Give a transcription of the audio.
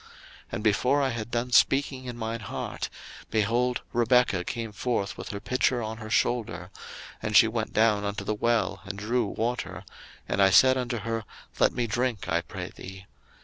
01:024:045 And before I had done speaking in mine heart, behold, Rebekah came forth with her pitcher on her shoulder; and she went down unto the well, and drew water: and I said unto her, Let me drink, I pray thee.